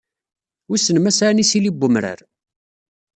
Wissen ma sɛan isili n umrar.